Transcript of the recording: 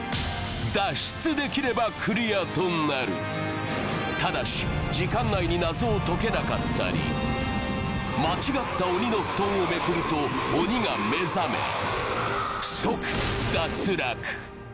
脱出できればクリアとなるただし時間内に謎を解けなかったり間違った鬼の布団をめくると鬼が目覚め即脱落